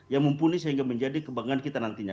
yang mumpuni sehingga menjadi kebanggaan kita nantinya